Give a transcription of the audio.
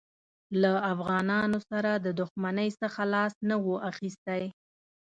له افغانانو سره د دښمنۍ څخه لاس نه وو اخیستی.